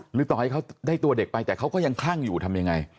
หรือต่อให้เขาได้ตัวเด็กไปแต่เขาก็ยังคลั่งอยู่ทำยังไง